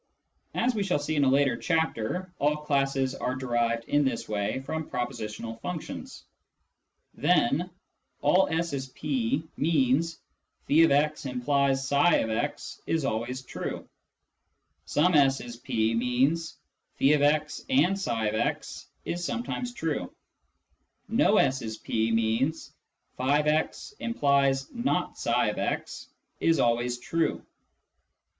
(As we shall see in a later chapter, all classes are derived in this way from propositional functions.) Then :" All S is P " means "' <f>x implies tfix ' is always true." " Some S is P " means "' <f>x and iftx ' is sometimes true." " No S is P " means "' tf>x implies not iftx ' is always true."